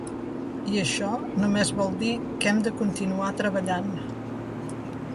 I això només vol dir que hem de continuar treballant.